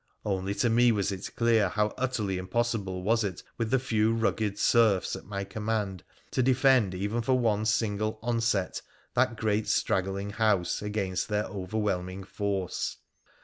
Only to me was it clear how utterly impossible was it with th^ few rugged serfs at my command to defend even for one single onset that great straggling house against their overwhelming force.